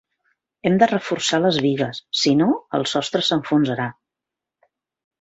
Hem de reforçar les bigues; si no, el sostre s'enfonsarà.